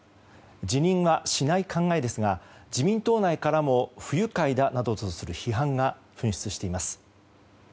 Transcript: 辞任はしない考えですが自民党内からも不愉快だなどとする批判が噴出しています。